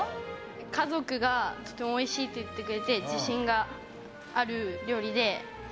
家族がとてもおいしいと言ってくれて自信がある料理で。